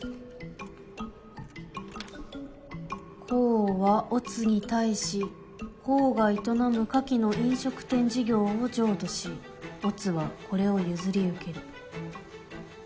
「甲は乙に対し甲が営む下記の飲食店事業を譲渡し乙はこれを譲り受ける」。